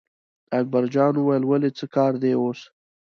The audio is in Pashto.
اکبرجان وویل ولې څه کار دی اوس.